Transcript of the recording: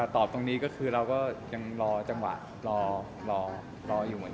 ตอบตรงนี้เราก็รออยู่เฉียบอยู่เหมือน